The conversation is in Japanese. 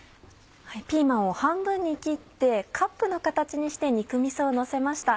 ピーマンを半分に切ってカップの形にして肉みそをのせました。